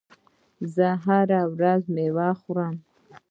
زه هره ورځ میوه خورم.